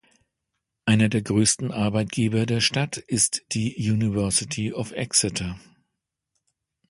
Einer der größten Arbeitgeber der Stadt ist die University of Exeter.